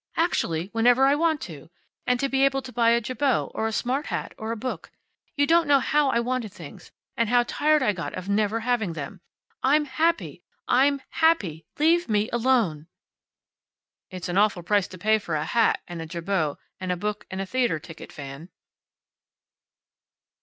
Actually whenever I want to. And to be able to buy a jabot, or a smart hat, or a book. You don't know how I wanted things, and how tired I got of never having them. I'm happy! I'm happy! Leave me alone!" "It's an awful price to pay for a hat, and a jabot, and a book and a theater ticket, Fan."